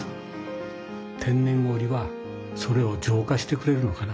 天ねん氷はそれを浄化してくれるのかな。